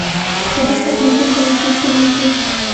جدید تکنیکوں کا وسیع استعمال کِیا